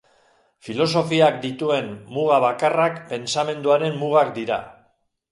Filosofiak dituen muga bakarrak pentsamenduaren mugak dira.